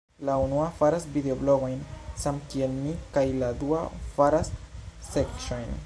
La unua faras videoblogojn samkiel mi kaj la dua faras sekĉojn